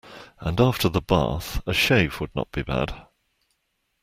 And after the bath a shave would not be bad.